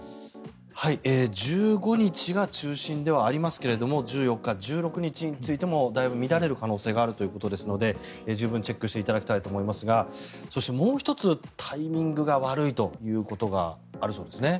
１５日が中心ではありますけれど１４日、１６日についてもだいぶ乱れる可能性があるということですので十分チェックしていただきたいと思いますがそして、もう１つタイミングが悪いということがあるそうですね。